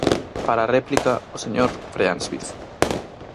Para a réplica, o señor Freáns Viz.